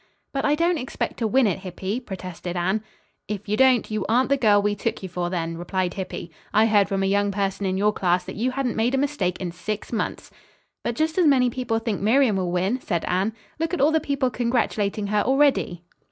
"But I don't expect to win it, Hippy," protested Anne. "If you don't, you aren't the girl we took you for, then," replied Hippy. "I heard from a young person in your class that you hadn't made a mistake in six months." "But just as many people think Miriam will win," said Anne. "Look at all the people congratulating her already."